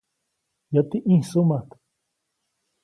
Yäti ʼĩjsuʼmät.